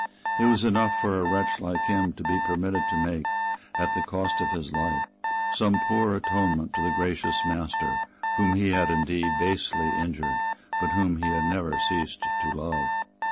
It was enough for a wretch like him to be permitted to make, at the cost of his life, some poor atonement to the gracious master, whom he had indeed basely injured, but whom he had never ceased to love.